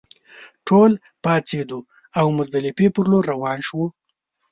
ټول پاڅېدو او مزدلفې پر لور روان شوو.